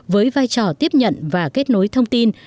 với vai trò tiếp nhận và kết nối thông tin